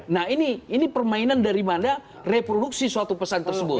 nah ini permainan dari mana reproduksi suatu pesan tersebut